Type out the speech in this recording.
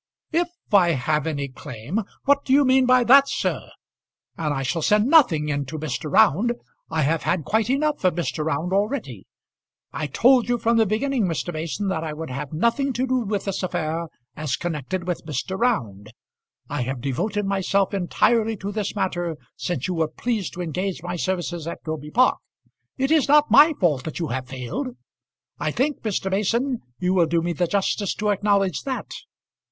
"If I have any claim! What do you mean by that, sir? And I shall send nothing in to Mr. Round. I have had quite enough of Mr. Round already. I told you from the beginning, Mr. Mason, that I would have nothing to do with this affair as connected with Mr. Round. I have devoted myself entirely to this matter since you were pleased to engage my services at Groby Park. It is not by my fault that you have failed. I think, Mr. Mason, you will do me the justice to acknowledge that."